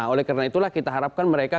oleh karena itulah kita harapkan mereka